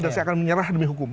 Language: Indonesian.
dan saya akan menyerah demi hukum